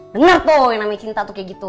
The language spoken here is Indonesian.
dengar tuh yang namanya cinta tuh kayak gitu